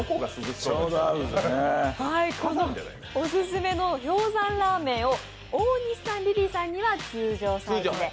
オススメの氷山ラーメンを大西さん、リリーさんには通常サイズで。